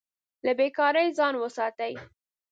له بې کارۍ ځان وساتئ.